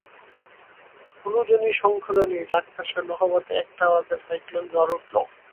হুলুধ্বনি শঙ্ঘধ্বনি ঢাক-কাঁসর-নহবতে একটা আওয়াজের সাইক্লোন ঝড় উঠল।